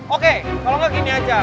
oke kalau nggak gini aja